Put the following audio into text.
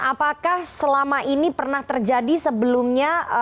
apakah selama ini pernah terjadi sebelumnya